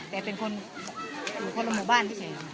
แต่เป็นคนข้อลงหมู่บ้าน